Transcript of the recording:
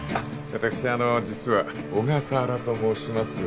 私実は小笠原と申します